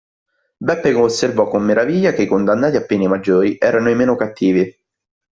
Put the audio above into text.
Beppe osservò con meraviglia che i condannati a pene maggiori erano i meno cattivi.